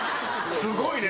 すごいね。